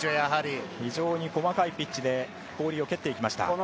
非常に細かいピッチで氷を蹴っていきました。